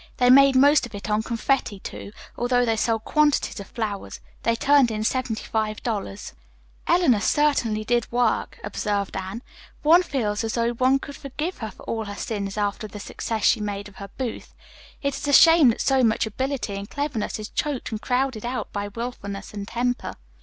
"They made most of it on confetti, too, although they sold quantities of flowers. They turned in seventy five dollars." "Eleanor certainly did work," observed Anne. "One feels as though one could forgive her all her sins after the success she made of her booth. It is a shame that so much ability and cleverness is choked and crowded out by wilfulness and temper."